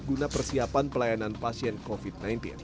guna persiapan pelayanan pasien covid sembilan belas